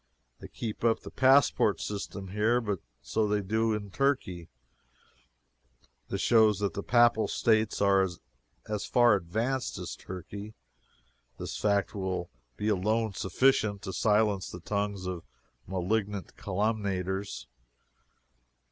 They keep up the passport system here, but so they do in Turkey. This shows that the Papal States are as far advanced as Turkey. This fact will be alone sufficient to silence the tongues of malignant calumniators.